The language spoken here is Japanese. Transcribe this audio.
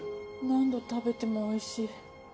何度食べてもおいしい。